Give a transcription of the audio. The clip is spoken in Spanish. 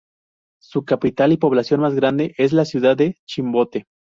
Su capital y población más grande es la ciudad de Chimbote.